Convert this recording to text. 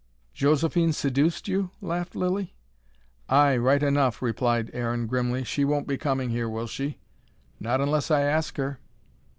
"Josephine seduced you?" laughed Lilly. "Ay, right enough," replied Aaron grimly. "She won't be coming here, will she?" "Not unless I ask her."